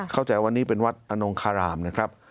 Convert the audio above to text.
เข้าใจว่านี่เป็นวัดอนงคารามนะครับ